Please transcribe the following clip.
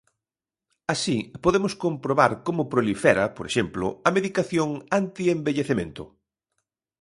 Así, podemos comprobar como prolifera, por exemplo, a medicación antienvellecemento.